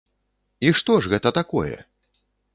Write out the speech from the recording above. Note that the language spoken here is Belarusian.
І што ж гэта такое?